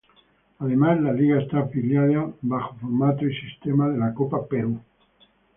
Además la liga está afiliada bajo formato y sistema de la Copa Perú.